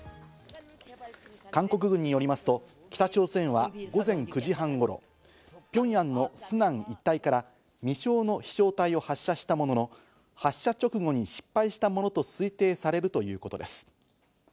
韓国によりますと、北朝鮮は午前９時半頃、ピョンヤンのスナン一帯から未詳の飛翔体を発射したものの、発射直後に失敗したものと推定されるということです。